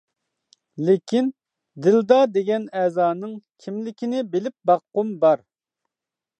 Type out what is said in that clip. لېكىن دىلدا دېگەن ئەزانىڭ كىملىكىنى بىلىپ باققۇم بار.